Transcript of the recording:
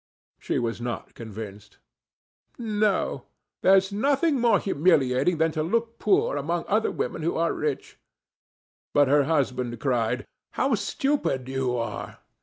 She was not convinced. "No; there's nothing more humiliating than to look poor among other women who are rich." But her husband cried: "How stupid you are!